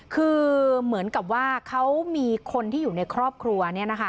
คือเหมือนกับว่าเขามีคนที่อยู่ในครอบครัว